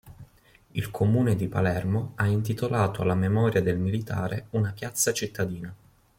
Il comune di Palermo ha intitolato alla memoria del militare una piazza cittadina.